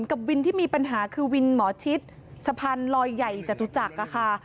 กับวินที่มีปัญหาคือวินหมอชิดสะพานลอยใหญ่จตุจักรค่ะ